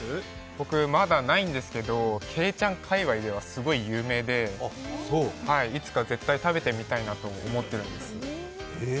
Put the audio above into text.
僕、まだないんですけど、けいちゃん界わいではすごい有名でいつか絶対に食べてみたいとは思っています。